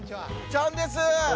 チャンです！